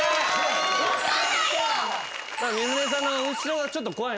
三船さんの後ろがちょっと怖いね。